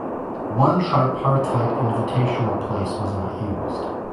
One tripartite invitational place was not used.